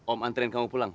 om anterin kamu pulang